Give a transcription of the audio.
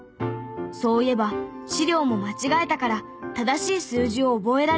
そういえば資料も間違えたから正しい数字を覚えられた。